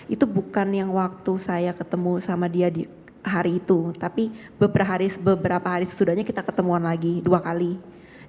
itu bukan yang waktu saya ketemu sama dia di hari itu tapi beberapa hari sesudahnya kita ketemuan lagi dua kali